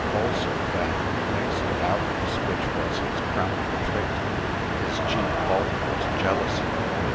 Also that, next to avarice, which was his crowning trait, his chief fault was jealousy.